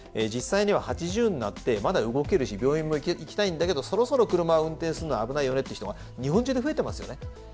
実際には８０になってまだ動けるし病院も行きたいんだけどそろそろ車を運転するのは危ないよねって人が日本中で増えてますよね。